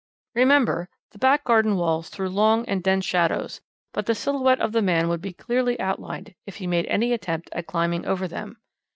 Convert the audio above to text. "Remember, the back garden walls threw long and dense shadows, but the silhouette of the man would be clearly outlined if he made any attempt at climbing over them.